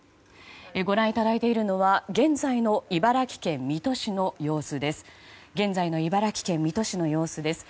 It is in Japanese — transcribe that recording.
ご覧いただいているのは現在の茨城県水戸市の様子です。